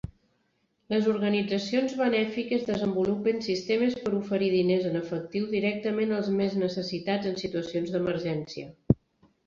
Les organitzacions benèfiques desenvolupen sistemes per oferir diners en efectiu directament als més necessitats en situacions d'emergència.